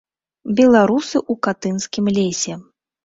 Беларусы ў катынскім лесе.